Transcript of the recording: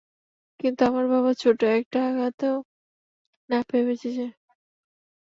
কিন্তু আমার বাবা ছোট একটা আঘাতও না পেয়ে বেঁচে যায়।